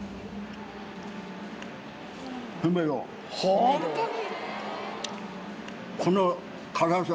ホントに？